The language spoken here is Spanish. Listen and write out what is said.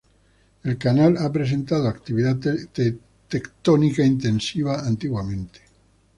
El canal ha presentado actividad tectónica intensiva antiguamente.